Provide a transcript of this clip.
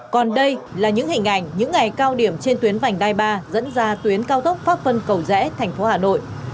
còn đây là những hình ảnh những ngày cao điểm trên tuyến vành đai ba dẫn ra tuyến cao tốc pháp vân cầu rẽ thành phố hà nội